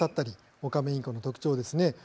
オカメインコの特徴です。